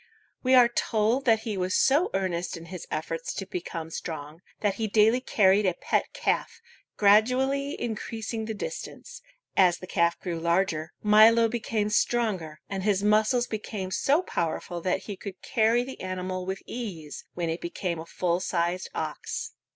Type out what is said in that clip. We are told that he was so earnest in his efforts to become strong, that he daily carried a pet calf, gradually increasing the distance. As the calf grew larger, Milo became stronger, and his muscles became so powerful that he could carry the animal with ease when it became a full sized ox.